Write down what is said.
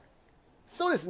そうですね。